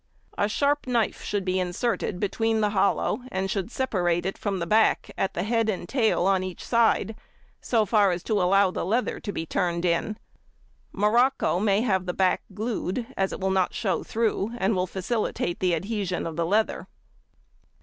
A sharp knife should be inserted between the hollow and should separate it from the back at head and tail on each side so far as to allow the leather to be turned in. Morocco may have the back glued, as it will not show through, and will facilitate the adhesion of the leather.